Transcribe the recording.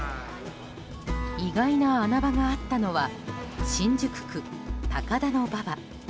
意外な穴場があったのは新宿区高田馬場。